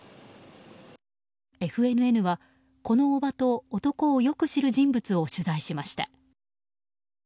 ＦＮＮは、この叔母と男をよく知る人物を取材しました。